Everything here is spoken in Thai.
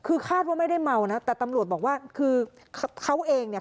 คือคาดว่าไม่ได้เมานะแต่ตำรวจบอกว่าคือเขาเองเนี่ย